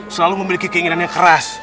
selalu memiliki keinginannya keras